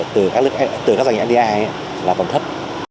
từ các doanh nghiệp fdi ấy là còn thấp